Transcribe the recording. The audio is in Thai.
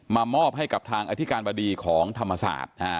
มอบให้กับทางอธิการบดีของธรรมศาสตร์